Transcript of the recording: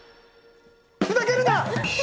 ふざけるな！